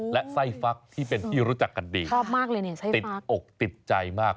และไส้ฟักที่เป็นที่รู้จักกันดีชอบมากเลยเนี่ยไส้ติดอกติดใจมาก